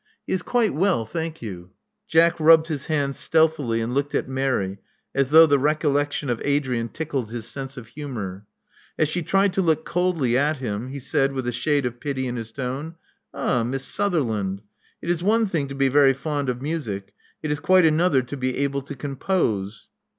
'*He is quite well, thank you." Jack rubbed his hands stealthily, and looked at Mary as though the recollection of Adrian tickled his sense of humor. As she tried to look coldly at him, he said, with a shade of pity in his tone, Ah, Miss Sutherland, it is one thing to be very fond of music : it is quite another to be able to compose."